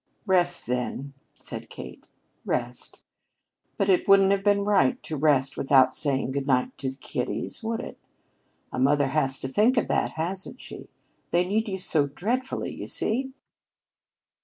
"Rest, then," said Kate. "Rest. But it wouldn't have been right to rest without saying good night to the kiddies, would it? A mother has to think of that, hasn't she? They need you so dreadfully, you see."